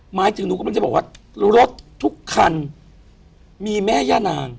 หมายถึงหนูกำลังจะบอกว่ารถทุกคันมีแม่ย่านาง